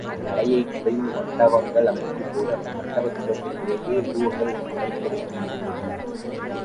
மலையைக் குடைந்து மண்டபங்கள் அமைக்கிறபோது அந்த மண்டபச் சுவர்களிலேயே உருவங்கள் அமைக்க வேண்டியிருந்தது.